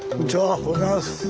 おはようございます。